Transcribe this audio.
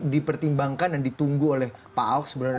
dipertimbangkan dan ditunggu oleh pak ahok sebenarnya